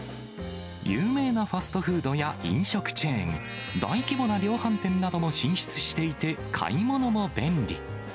有名なファストフードや飲食チェーン、大規模な量販店なども進出していて、買い物も便利。